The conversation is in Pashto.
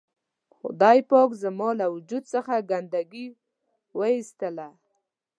خدای پاک زما له وجود څخه ګندګي و اېستله.